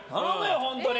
本当に！